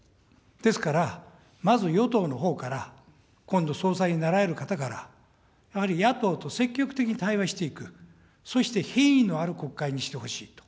ですから、まず与党のほうから、今度、総裁になられる方から、やはり野党と積極的に対話していく、そして品位のある国会にしてほしい。